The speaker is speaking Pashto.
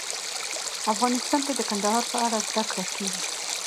افغانستان کې د کندهار په اړه زده کړه کېږي.